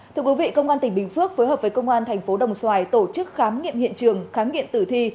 thưa quý vị công an tỉnh bình phước phối hợp với công an thành phố đồng xoài tổ chức khám nghiệm hiện trường khám nghiệm tử thi